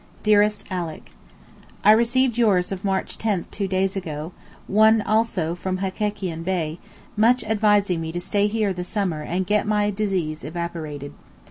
DEAREST ALICK, I received yours of March 10 two days ago; also one from Hekekian Bey, much advising me to stay here the summer and get my disease 'evaporated.